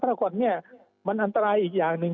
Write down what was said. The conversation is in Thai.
พลาควัตมันอันตรายอีกอย่างหนึ่ง